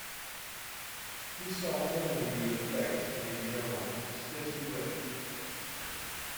He saw only the effect in a general, sketchy way.